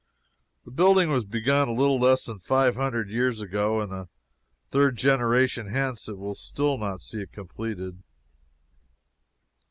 The building was begun a little less than five hundred years ago, and the third generation hence will not see it completed.